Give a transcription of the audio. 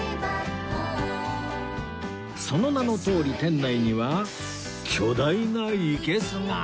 その名のとおり店内には巨大な生簀が